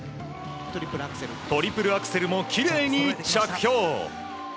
トリプルアクセルもきれいに着氷。